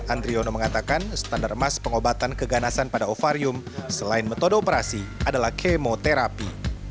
andriono mengatakan standar emas pengobatan keganasan pada ovarium selain metode operasi adalah kemoterapi